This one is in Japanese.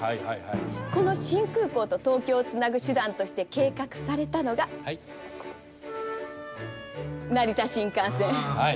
この新空港と東京をつなぐ手段として計画されたのが成田新幹線。